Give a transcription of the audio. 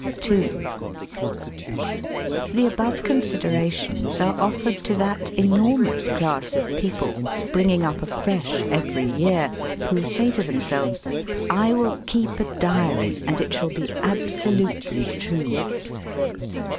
n The above considerations are offered to that enormous class of people, springing up afresh every year, who say to themselves : "I will keep a diary and it shall be absolutely true."